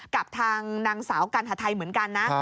กับทางนางสาวกัณฑไทยเหมือนกันนะ